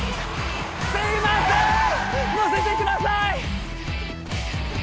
すいません乗せてください！